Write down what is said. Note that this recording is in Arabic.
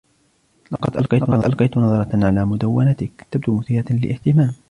لقد ألقيت نظرة على مدونتك - تبدو مثيرة للإهتمام.